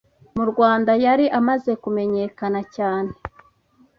mu Rwanda yari amaze kumenyakana cyane,